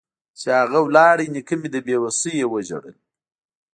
چې اغه لاړ نيکه مې د بې وسۍ نه وژړل.